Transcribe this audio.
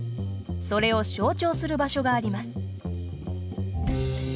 それを象徴する場所があります。